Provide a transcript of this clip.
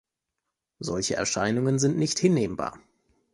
Solche Erscheinungen sind nicht hinnehmbar.